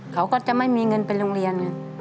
เขาก็จะไม่มีเงินไปโรงเรียนไง